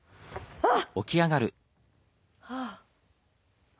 あっ！